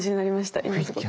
今すごく。